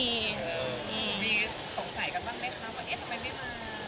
มีสงสัยกันบ้างไหมคะว่าเอ๊ะทำไมไม่มา